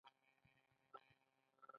سره او شنه بنګړي مې په قمار د وخت بایللې دي